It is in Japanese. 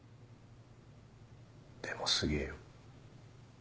でもすげえよ。